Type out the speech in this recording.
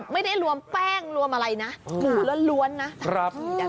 ไม่ได้รวมแป้งรวมอะไรนะหมูล้วนนะ